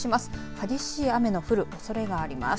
激しい雨の降るおそれがあります。